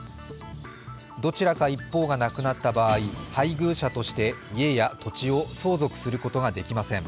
どちらか一方が亡くなった場合、配偶者として家や土地を相続することができません。